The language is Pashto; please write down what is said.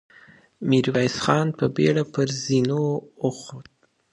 ميرويس خان په بېړه پر زينو وخوت.